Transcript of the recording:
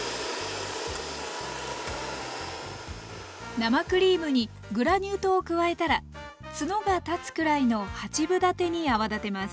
生クリームにグラニュー糖を加えたらツノが立つくらいの八分立てに泡立てます。